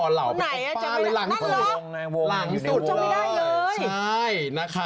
เหล่าไปออกบ้านหรอ